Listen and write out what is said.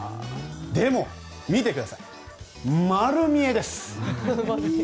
でも見てください、丸見えです。